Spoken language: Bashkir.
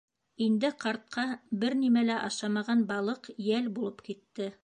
Инде ҡартҡа бер нимә лә ашамаған балыҡ йәл булып китте.